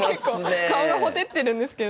結構顔がほてってるんですけど。